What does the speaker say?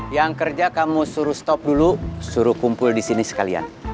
yang kerja kamu suruh stop dulu suruh kumpul di sini sekalian